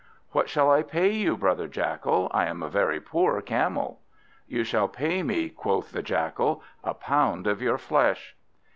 "What shall I pay you, brother Jackal? I am a very poor Camel." "You shall pay me," quoth the Jackal, "a pound of your flesh."